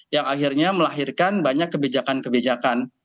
yang akhirnya melahirkan banyak kebijakan kebijakan